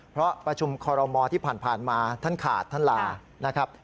เพราะประชุมคอรมอที่ผ่านมาท่านขาดท่านลานะครับ